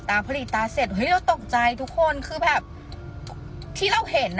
ตาพอหลีตาเสร็จเฮ้ยเราตกใจทุกคนคือแบบที่เราเห็น